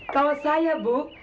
kalau saya bu